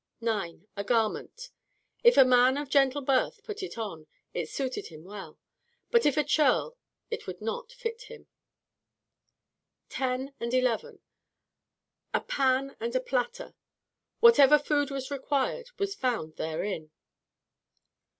9. A garment; if a man of gentle birth put it on, it suited him well; but if a churl, it would not fit him. 10, 11. A pan and a platter; whatever food was required was found therein.